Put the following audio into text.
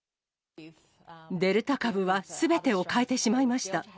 デルタ株はすべてを変えてしまいました。